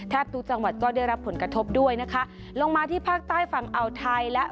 แทบทุกจังหวัดก็ได้รับผลกระทบด้วยนะคะ